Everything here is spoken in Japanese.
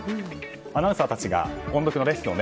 アナウンサーたちが音読のレッスンを。